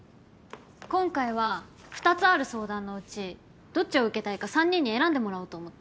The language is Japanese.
今回は２つある相談のうちどっちを受けたいか３人に選んでもらおうと思って。